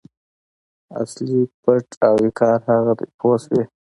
اصلي پت او وقار هغه دی پوه شوې!.